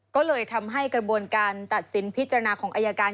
ก็เลยทำให้กระบวนการตัดสินพิจารณาของอายการ